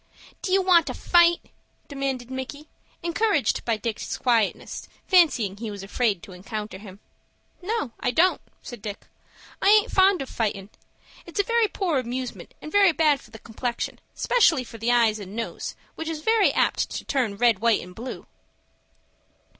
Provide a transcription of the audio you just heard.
"Do you want to fight?" demanded Micky, encouraged by Dick's quietness, fancying he was afraid to encounter him. "No, I don't," said Dick. "I aint fond of fightin'. It's a very poor amusement, and very bad for the complexion, 'specially for the eyes and nose, which is apt to turn red, white, and blue."